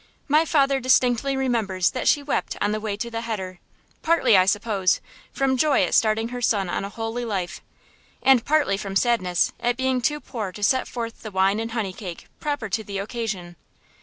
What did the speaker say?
My father distinctly remembers that she wept on the way to the heder; partly, I suppose, from joy at starting her son on a holy life, and partly from sadness at being too poor to set forth the wine and honey cake proper to the occasion.